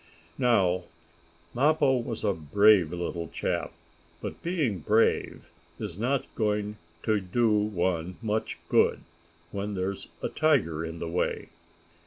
Now Mappo was a brave little chap, but being brave is not going to do one much good, when there's a tiger in the way.